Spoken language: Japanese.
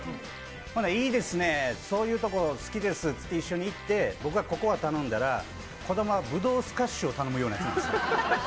したらいいですね、そういうところ好きですって一緒に行って僕はココア頼んだら、児玉はぶどうスカッシュを頼むようなやつです。